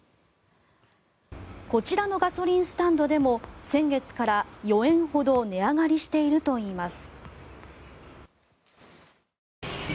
こちらのガソリンスタンドでも先月から４円ほど値上がりしているといいます。